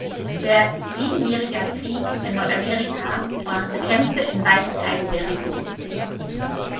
Der Siebenjähriger Krieg in Nordamerika brachte Kämpfe in weite Teile der Region.